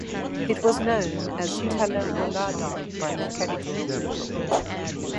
It was known as Tallawoladah by the Cadigal people.